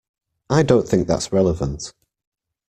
I don't think that's relevant.